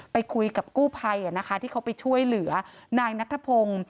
ไปคุยกับกู้ภัยที่เขาไปช่วยเหลือนายนัทพงศ์